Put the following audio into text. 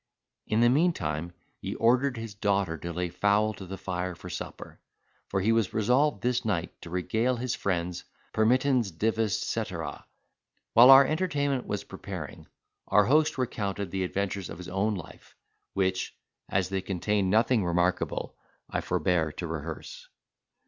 In the meantime he ordered his daughter to lay a fowl to the fire for supper, for he was resolved this night to regale his friends—permittens divis caetera. While our entertainment was preparing, our host recounted the adventures of his own life, which, as they contained nothing remarkable, I forbear to rehearse.